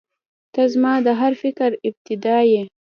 • ته زما د هر فکر ابتدا یې.